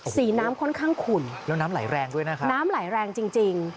สีน้ำค่อนข้างขุ่นแล้วน้ำไหลแรงด้วยนะครับน้ำไหลแรงจริงจริง